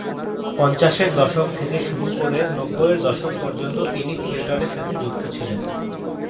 পঞ্চাশের দশক থেকে শুরু করে নব্বইয়ের দশক পর্যন্ত তিনি থিয়েটারের সাথে যুক্ত ছিলেন।